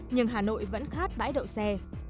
nhưng hà nội vẫn khát bãi đậu xe